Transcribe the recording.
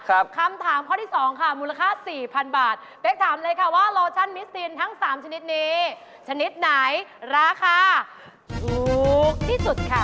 คำถามข้อที่สองค่ะมูลค่าสี่พันบาทเป๊กถามเลยค่ะว่าโลชั่นมิสตินทั้งสามชนิดนี้ชนิดไหนราคาถูกที่สุดค่ะ